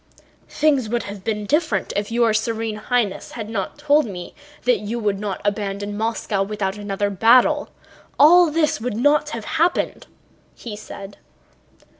"Things would have been different if your Serene Highness had not told me that you would not abandon Moscow without another battle; all this would not have happened," he said.